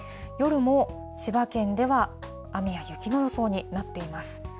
夜も、千葉県では雨や雪の予想になっています。